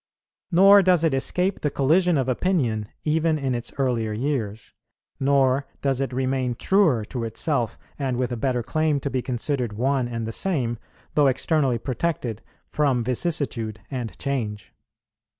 Nor does it escape the collision of opinion even in its earlier years, nor does it remain truer to itself, and with a better claim to be considered one and the same, though externally protected from vicissitude and change.